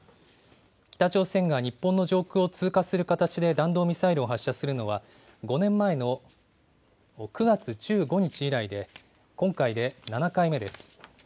北朝鮮が日本の上空を通過する形で弾道ミサイルを発射するのは、５年前の９月１５日以来で、今回で７回目です。